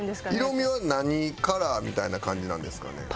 色味は何カラーみたいな感じなんですかね？